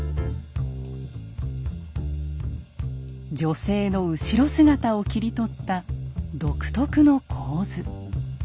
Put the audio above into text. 女性の後ろ姿を切り取った独特の構図。